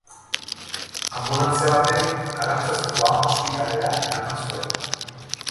Anbulantzia batek Arantzazuko Ama Ospitalera eraman zuen.